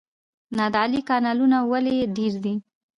نادعلي کانالونه ولې ډیر دي؟